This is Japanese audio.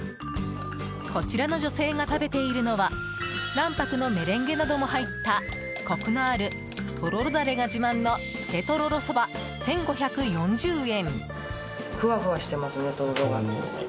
こちらの女性が食べているのは卵白のメレンゲなども入ったコクのある、とろろダレが自慢のつけとろろそば、１５４０円。